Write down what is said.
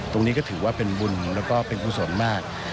ตรงนี้ก็ถือว่าเป็นบุญแล้วก็เป็นกุศลมาก